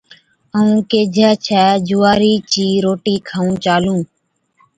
ائُون ڪيهجَي ڇَي جُوارِي چِي روٽِي کائُون چالُون